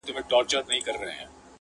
نوم يې کله کله د خلکو په خوله راځي,